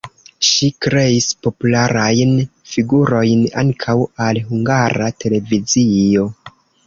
Ŝi kreis popularajn figurojn ankaŭ al Hungara Televizio.